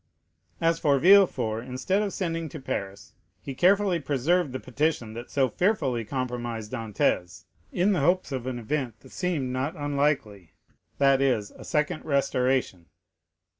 As for Villefort, instead of sending to Paris, he carefully preserved the petition that so fearfully compromised Dantès, in the hopes of an event that seemed not unlikely,—that is, a second restoration.